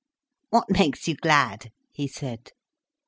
"What makes you glad?" he said.